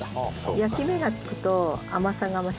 焼き目が付くと甘さが増します。